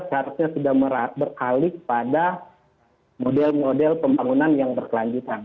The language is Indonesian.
sebenarnya sudah beralik pada model model pembangunan yang berkelanjutan